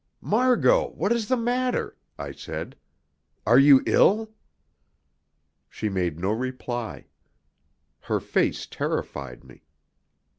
"Margot, what is the matter?" I said. "Are you ill?" She made no reply. Her face terrified me.